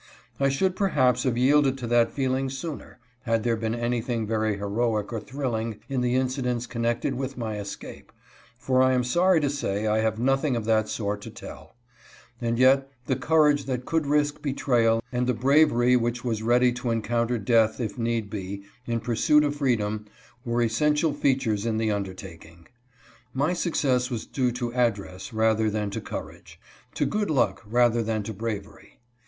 I should perhaps have yielded to that feeling sooner, had there been anything very heroic or thrilling in the incidents connected with my escape, for I am sorry to say I have nothing of that sort to tell ; and yet the courage that could risk betrayal and the bravery which was ready to encounter death if need be, in pursuit of freedom, were essential features in the undertaking. My success was due to address rather than to courage ; to good luck rather than to bravery.